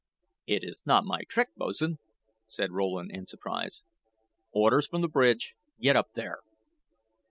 "It is not my trick, boats'n," said Rowland, in surprise. "Orders from the bridge. Get up there."